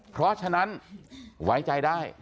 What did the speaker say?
เพราะฉะนั้นไว้ใจได้